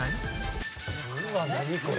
うわっ何これ？